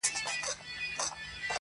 خدايه په دې شریر بازار کي رڼایي چیري ده.